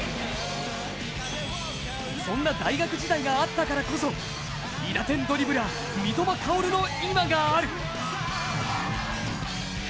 そんな大学時代があったからこそ韋駄天ドリブラー・三笘薫の今がある。